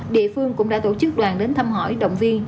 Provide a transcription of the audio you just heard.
địa phương cũng đã tổ chức đoàn đến thăm hỏi động viên